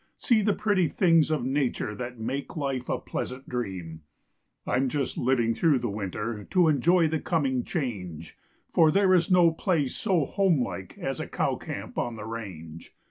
See the pretty things of nature That make life a pleasant dream! I'm just living through the winter To enjoy the coming change, For there is no place so homelike As a cow camp on the range.